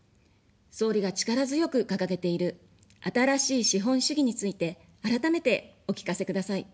総理が力強く掲げている「新しい資本主義」について、改めてお聞かせください。